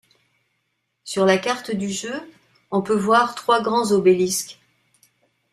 Sur la carte du jeu, on peut voir trois grands obélisques.